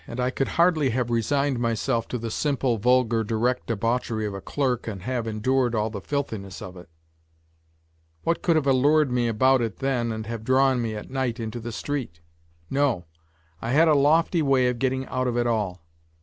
And I could hardly have resigned myself to the simple, vulgar, direct debauchery of a clerk and have endured all the filthiness of it. What could have allured me about it then and have drawn me at night into the street ? No, I had a lofty way of getting out of it all.